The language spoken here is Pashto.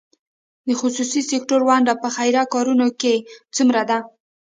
د خصوصي سکتور ونډه په خیریه کارونو کې څومره ده؟